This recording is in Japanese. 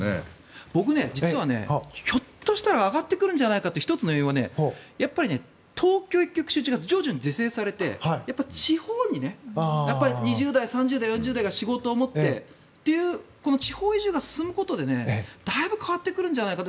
僕、実はひょっとしたら上がってくるんじゃないかという１つの要因はやっぱり東京一極集中が徐々に是正されて地方に２０代、３０代、４０代が仕事を持ってというこの地方移住が進むことでだいぶ変わってくるんじゃないかって。